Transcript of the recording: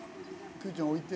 くーちゃん置いて。